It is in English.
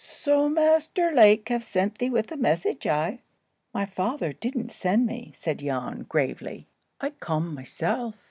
"So Master Lake have sent thee with a message, eh?" "My father didn't send me," said Jan, gravely. "I come myself.